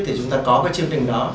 thì chúng ta có cái chương trình đó